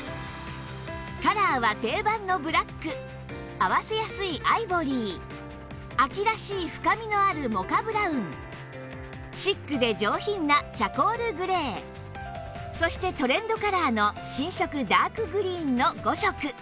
カラーは定番のブラック合わせやすいアイボリー秋らしい深みのあるモカブラウンシックで上品なチャコールグレーそしてトレンドカラーの新色ダークグリーンの５色